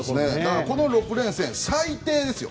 この６連戦最低ですよ。